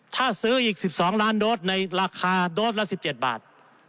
ถ้าซื้ออีก๑๒ล้านโดสในราคาโดสละ๑๗บาท